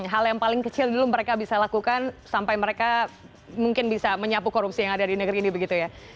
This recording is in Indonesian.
hal yang paling kecil dulu mereka bisa lakukan sampai mereka mungkin bisa menyapu korupsi yang ada di negeri ini begitu ya